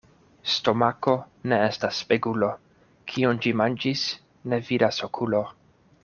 Stomako ne estas spegulo: kion ĝi manĝis, ne vidas okulo.